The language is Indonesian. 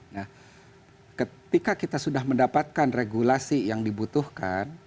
nah ketika kita sudah mendapatkan regulasi yang dibutuhkan